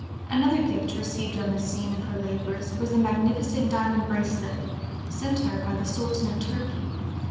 Another gift received on the scene of her labors was a magnificent diamond bracelet sent her by the Sultan of Turkey.